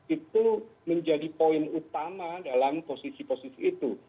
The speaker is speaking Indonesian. itu menjadi poin utama dalam posisi posisi itu